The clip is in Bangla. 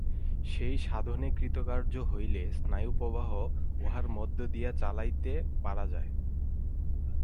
সেই সাধনে কৃতকার্য হইলে স্নায়ুপ্রবাহ উহার মধ্য দিয়া চালাইতে পারা যায়।